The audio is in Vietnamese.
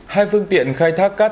hai phương tiện khai thác cát bệnh